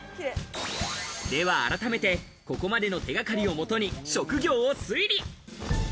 では改めて、ここまでの手掛かりをもとに職業を推理。